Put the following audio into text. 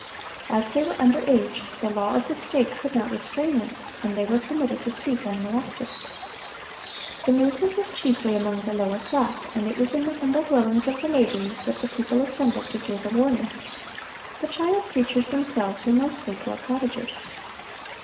As they were under age, the law of the state could not restrain them, and they were permitted to speak unmolested. The movement was chiefly among the lower class, and it was in the humble dwellings of the laborers that the people assembled to hear the warning. The child preachers themselves were mostly poor cottagers.